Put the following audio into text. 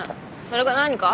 それが何か？